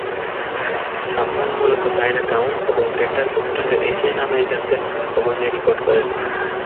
সাম্পান মূলত চায়নাটাউন এবং গ্রেটার বস্টনের এশিয়ান আমেরিকানদের খবর নিয়ে রিপোর্ট করেন।